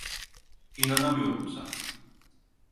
İnanamıyorum sana.